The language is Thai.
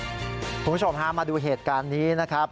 คุณผู้ชมฮะมาดูเหตุการณ์นี้นะครับ